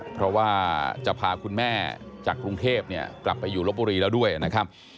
เพราะว่าจะพาคุณแม่จากกรุงเทพกลับไปอยู่ลบบุรีแล้วด้วยนะครับ